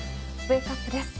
ウェークアップです。